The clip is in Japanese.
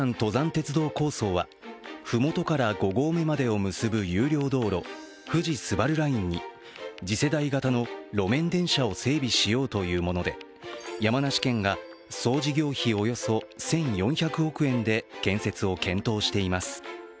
鉄道構想はふもとから５合目までを結ぶ有料道路、富士スバルラインに次世代型の路面電車を整備しようというもので、山梨県が、総事業費およそ１４００億円で建設を検討しています。